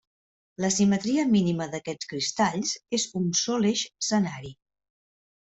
La simetria mínima d'aquests cristalls és un sol eix senari.